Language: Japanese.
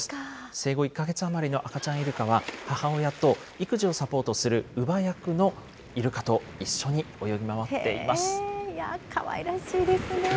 生後１か月余りの赤ちゃんイルカは、母親と、育児をサポートする乳母役のイルカと一緒に泳ぎ回っかわいらしいですね。